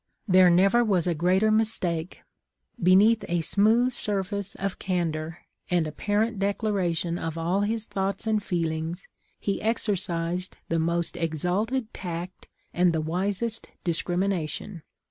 There never was a greater mistake. Beneath a smooth surface of candor and apparent declaration of all his thoughts and feelings, he exercised the most exalted tact and the wisest discrimination.